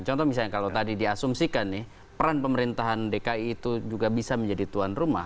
contoh misalnya kalau tadi diasumsikan nih peran pemerintahan dki itu juga bisa menjadi tuan rumah